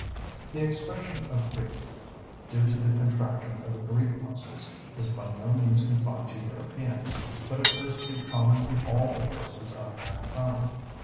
The expression of grief, due to the contraction of the grief muscles, is by no means confined to Europeans, but appears to be common to all the races of mankind.